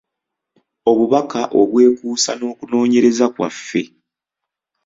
Obubaka obwekuusa n’okunoonyereza kwaffe.